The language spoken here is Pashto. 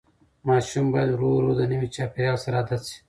ماشوم باید ورو ورو د نوي چاپېریال سره عادت شي.